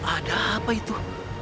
ada apa itu